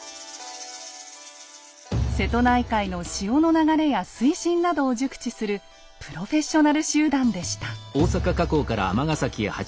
瀬戸内海の潮の流れや水深などを熟知するプロフェッショナル集団でした。